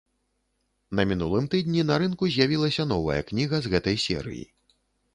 На мінулым тыдні на рынку з'явілася новая кніга з гэтай серыі.